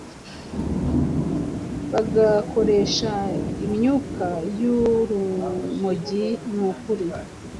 bagakoresha imyuka y’urumogi nukuri